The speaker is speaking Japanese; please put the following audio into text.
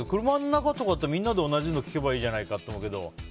車の中とかだったらみんなで同じの聴けばいいじゃないかって思うけど。